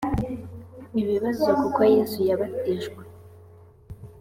ibibazo kuki yesu yabatijwe